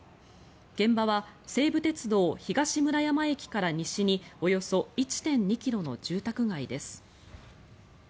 現場は西武鉄道東村山駅から西におよそ１．２ｋｍの住宅街です。